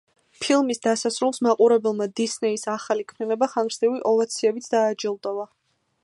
ფილმის დასასრულს მაყურებელმა დისნეის ახალი ქმნილება ხანგრძლივი ოვაციებით დააჯილდოვა.